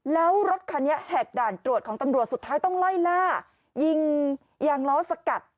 แล้วรถคันนี้แหกด่านตรวจของตำรวจสุดท้ายต้องไล่ล่ายิงยางล้อสกัด